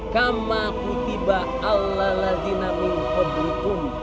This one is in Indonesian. kamma kutiba allah ladina minhabutun